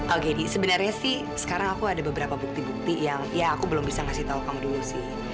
oh gini sebenarnya sih sekarang aku ada beberapa bukti bukti yang ya aku belum bisa ngasih telepon dulu sih